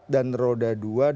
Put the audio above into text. dan roda dua